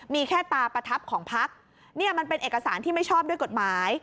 มีแค่ตาประทับของพักเนี่ยมันเป็นเอกสารที่ไม่ชอบด้วยกฎหมาย